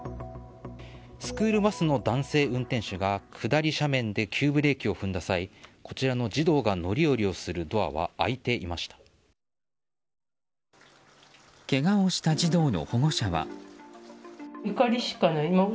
スクールバスの男性運転手が下り斜面で急ブレーキを踏んだ際こちらの児童が乗り降りをするドアはけがをした児童の保護者は。